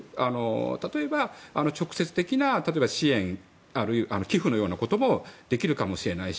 例えば直接的な支援寄付のようなこともできるかもしれないし。